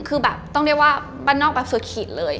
คือต้องเล่าว่าบรรนอร์คสุดขีดเลย